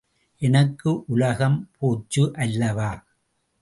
எனக்கு உலகம் போச்சு அல்லவா?